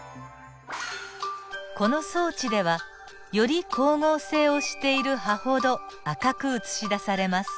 この装置ではより光合成をしている葉ほど赤く映し出されます。